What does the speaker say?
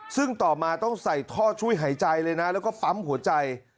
ซึ่งต่อมาต้องใส่ท่อช่วยหายใจเลยนะแล้วก็ปั๊มหัวใจ